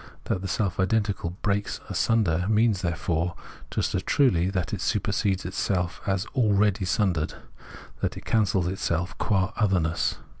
That the self identical breaks asunder means, therefore, juSt as truly that it supersedes itself as already sundered, that it cancels itself qua otherness.